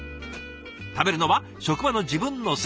食べるのは職場の自分の席。